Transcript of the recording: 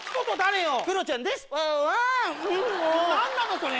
何なの⁉それ！